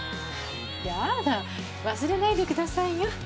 嫌だ忘れないでくださいよ。